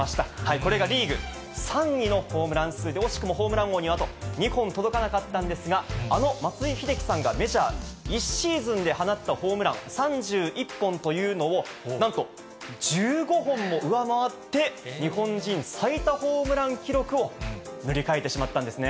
これがリーグ３位のホームラン数で、惜しくもホームラン王にはあと２本届かなかったんですが、あの松井秀喜さんがメジャー１シーズンで放ったホームラン３１本というのを、なんと１５本も上回って、日本人最多ホームラン記録を塗り替えてしまったんですね。